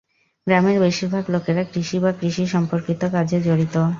গ্রামের বেশীরভাগ লোকেরা কৃষি বা কৃষি-সম্পর্কিত কাজে জড়িত।